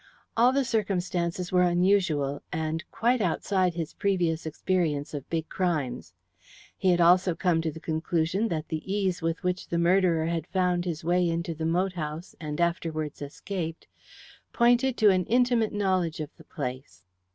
All the circumstances were unusual, and quite outside his previous experience of big crimes. He had also come to the conclusion that the ease with which the murderer had found his way into the moat house, and afterwards escaped, pointed to an intimate knowledge of the place.